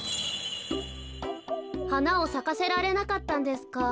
はなをさかせられなかったんですか。